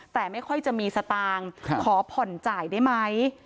แต่ไม่ค่อยจะมีสตางค์ขอผ่อนจ่ายได้ไหม